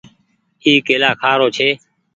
اي ڪيلآ کآ رو ڇي۔